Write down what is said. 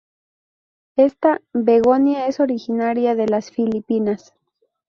Esta "begonia" es originaria de las Filipinas.